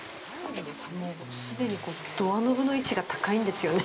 もう既にドアノブの位置が高いんですよね。